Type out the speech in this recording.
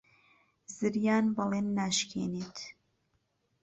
زریان بەڵێن ناشکێنێت.